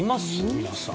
皆さん。